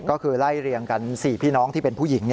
ก็คือไล่เรียงกัน๔พี่น้องที่เป็นผู้หญิง